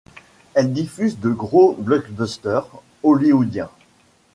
Elle diffuse de gros blockbuster hollywoodien.